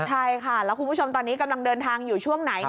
ใช่ค่ะแล้วคุณผู้ชมตอนนี้กำลังเดินทางอยู่ช่วงไหน